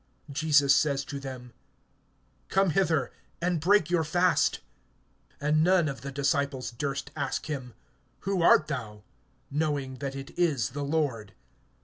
(12)Jesus says to them: Come hither, and break your fast. And none of the disciples durst ask him, Who art thou? knowing that it is the Lord.